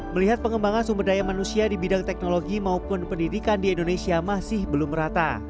melihat pengembangan sumber daya manusia di bidang teknologi maupun pendidikan di indonesia masih belum rata